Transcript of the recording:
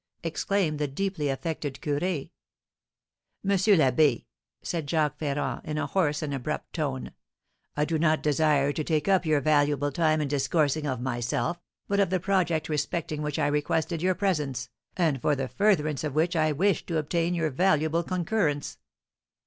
exclaimed the deeply affected curé. "M. l'Abbé," said Jacques Ferrand, in a hoarse and abrupt tone, "I do not desire to take up your valuable time in discoursing of myself, but of the project respecting which I requested your presence, and for the furtherance of which I wished to obtain your valuable concurrence."